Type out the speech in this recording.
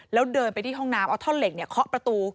แล้วเดินไปที่ห้องน้ำเอาท่อนเหล็กเคาะประตู